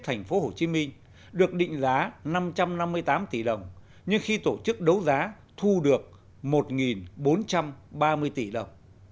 thành phố hồ chí minh được định giá năm trăm năm mươi tám tỷ đồng nhưng khi tổ chức đấu giá thu được một bốn trăm ba mươi tỷ đồng